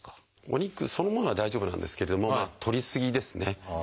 お肉そのものは大丈夫なんですけれどもとり過ぎですね。